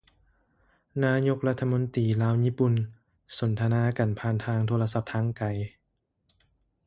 ນາຍົກລັດຖະມົນຕີ ລາວຍີ່ປຸ່ນ ສົນທະນາກັນຜ່ານທາງໂທລະສັບທາງໄກ